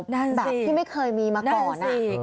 แบบที่ไม่เคยมีมาก่อน